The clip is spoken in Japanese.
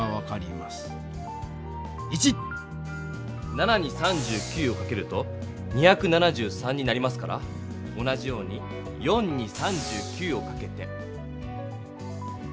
７に３９をかけると２７３になりますから同じように４に３９をかけて。